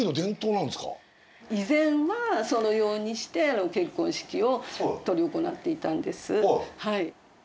以前はそのようにして結婚式を執り行っていたんです。